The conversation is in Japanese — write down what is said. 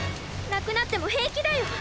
なくなってもへいきだよ。